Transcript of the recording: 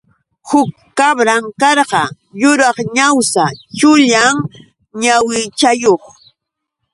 Huk kabran karqa yuraq ñawsa chullan ñawichayuq.